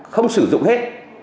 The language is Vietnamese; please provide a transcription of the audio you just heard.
không sử dụng hết